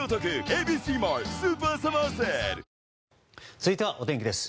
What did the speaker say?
続いては、お天気です。